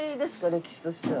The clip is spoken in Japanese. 歴史としては。